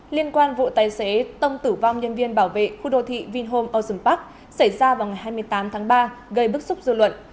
liên quan vụ tài xế tông tử vong nhân viên bảo vệ khu đô thị vinhome ocean park xảy ra vào ngày hai mươi tám tháng ba gây bức xúc dư luận